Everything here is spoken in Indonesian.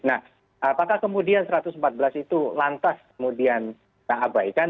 nah apakah kemudian satu ratus empat belas itu lantas kemudian kita abaikan